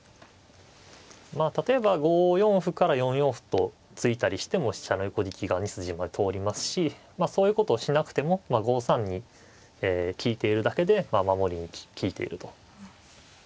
まあ例えば５四歩から４四歩と突いたりしても飛車の横利きが２筋まで通りますしそういうことをしなくても５三に利いているだけでまあ守りに利いていると。